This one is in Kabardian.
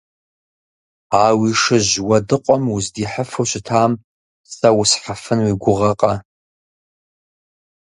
А уи шыжь уэдыкъуам уздихьыфу щытам сэ усхьыфын уи гугъэкъэ?